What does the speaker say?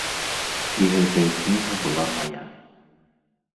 І гэтая кніга была мая.